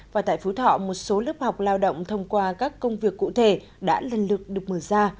và tại phú thọ một số lớp học lao động thông qua các công việc cụ thể đã lần lượt được mở ra